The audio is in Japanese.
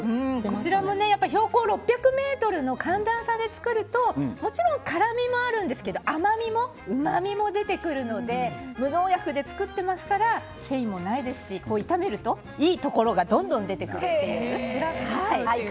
こちらも標高６００ｍの寒暖差で作るともちろん辛味もあるんですけど甘みもうまみも出てくるので無農薬で作ってますから繊維もないですし炒めると、いいところがどんどん出てくるという。